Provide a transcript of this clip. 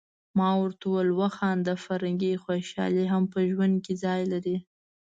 ما ورته وویل: وخانده فرګي، خوشالي هم په ژوند کي ځای لري.